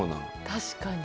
確かに。